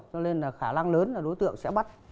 cho nên là khả năng lớn là đối tượng sẽ bắt